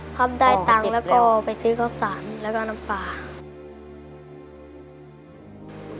ครับได้ตังค์แล้วก็ไปซื้อข้าวสารแล้วก็น้ำปลา